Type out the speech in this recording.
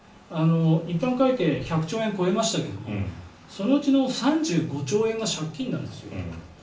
一般会計１００兆円を超えましたけどそのうちの３５兆円が借金なんですよ。